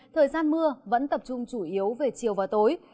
thời gian mưa vẫn tập trung chủ yếu về chiều và tối